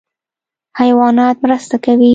حیوانات مرسته کوي.